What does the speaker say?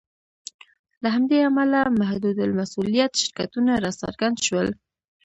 له همدې امله محدودالمسوولیت شرکتونه راڅرګند شول.